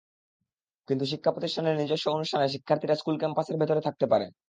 কিন্তু শিক্ষা প্রতিষ্ঠানের নিজস্ব অনুষ্ঠানে শিক্ষার্থীরা স্কুল ক্যাম্পাসের ভেতরে থাকতে পারে।